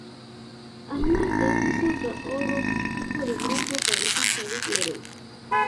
احمد د خسو د اوړو ککو د مرکو تاریخي شالید لري